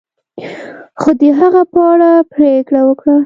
خو د هغه په اړه پریکړه وکړه.